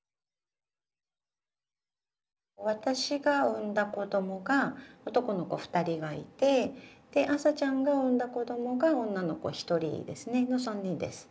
私が産んだ子供が男の子２人がいてで麻ちゃんが産んだ子供が女の子１人ですねの３人です。